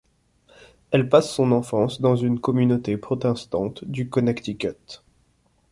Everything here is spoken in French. Elle passe son enfance dans une communauté protestante du Connecticut.